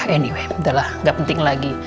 anyway adalah gak penting lagi